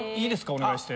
お願いして。